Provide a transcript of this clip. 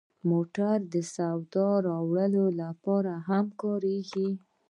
موټر د سودا راوړلو لپاره هم کارېږي.